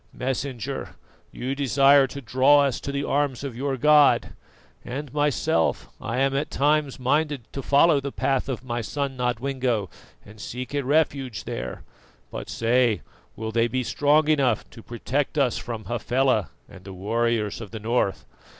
Messenger, you desire to draw us to the arms of your God and myself, I am at times minded to follow the path of my son Nodwengo and seek a refuge there but say, will they be strong enough to protect us from Hafela and the warriors of the north?